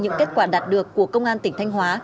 những kết quả đạt được của công an tỉnh thanh hóa